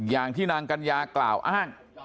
อย่างที่นางกัญญากล่าวอ้าง